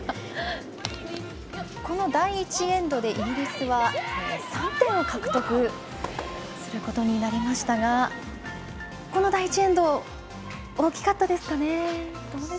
第１エンドでイギリスは３点を獲得することになりましたがこの第１エンド大きかったですかね。